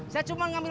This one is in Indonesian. saya cuma mau beli